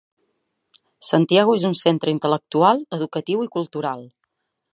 Santiago és un centre intel·lectual, educatiu i cultural.